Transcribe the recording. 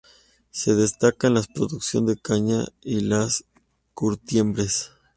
Se destacan la producción de caña y las curtiembres.